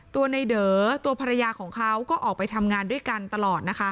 ตัวในเด๋อตัวภรรยาของเขาก็ออกไปทำงานด้วยกันตลอดนะคะ